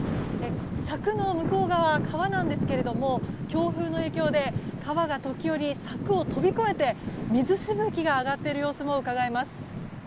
柵の向こう側は川なんですけれども強風の影響で川が時折、柵を乗り越えて水しぶきが上がっている様子もうかがえます。